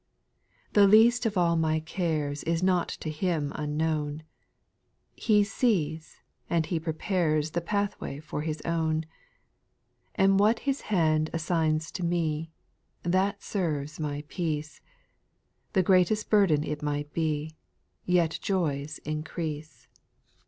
3. The least of all my cares Is not to Him unknown ; He sees, and He prepares The pathway for His own : And what His hand assigns to me, That serves my peace, — The greatest burden it might be, Yet joy's increase.